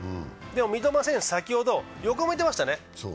三笘選手は先ほど横を向いてましたね。